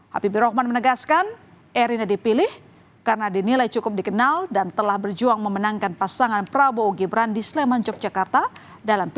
habibur rahmat menegaskan erina dipilih karena dinilai cukup dikenal dan telah berjuang memenangkan pasangan prabowo gibran di sleman yogyakarta dalam pilpres dua ribu dua puluh